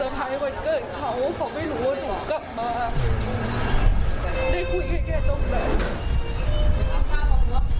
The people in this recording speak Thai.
บอกอะไรแค่แค่ดรงแลนมันควรได้คุยกันรู้ว่ะ